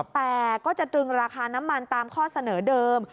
แต่ก็จะตรึงราคาน้ำมันตามข้อเสนอเดิม